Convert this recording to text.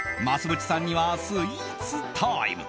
ぶちさんにはスイーツタイム！